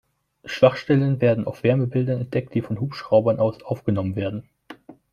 Schwachstellen werden auf Wärmebildern entdeckt, die von Hubschraubern aus aufgenommen werden.